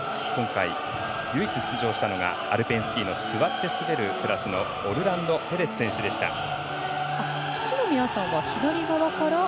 今回、唯一出場したのがアルペンスキーの座って滑るクラスのオルランド・ペレス選手でした。